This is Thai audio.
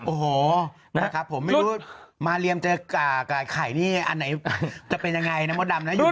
โอ้โหนะครับผมไม่รู้มาเรียมจะขายอันไหนจะเป็นยังไงน้ำมัวดำนะอยู่ด้วยกัน